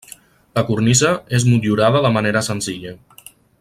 La cornisa és motllurada de manera senzilla.